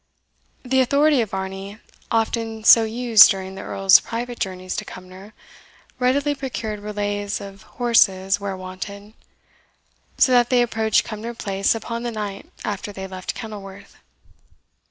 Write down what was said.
The authority of Varney, often so used during the Earl's private journeys to Cumnor, readily procured relays of horses where wanted, so that they approached Cumnor Place upon the night after they left Kenilworth.